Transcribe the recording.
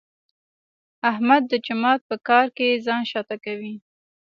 احمد د جومات په کار کې ځان شاته کوي.